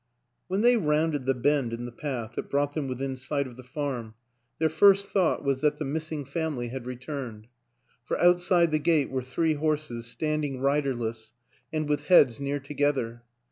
When they rounded the bend in the path that brought them within sight of the farm their first WILLIAM AN ENGLISHMAN 79 thought was that the missing family had returned ; for outside the gate were three horses, standing riderless and with heads near together.